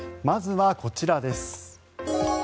まずはこちらです。